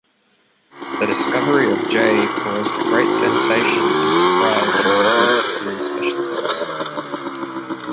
The discovery of "J" caused a great "sensation" and "surprise" among group theory specialists.